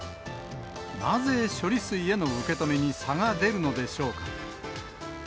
なぜ処理水への受け止めに差が出るのでしょうか。